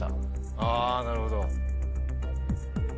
あなるほど。